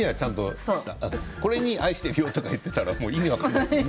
これに対して愛しているよとか言っていたら意味分からないですものね